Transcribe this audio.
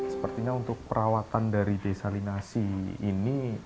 sepertinya untuk perawatan dari desalinasi ini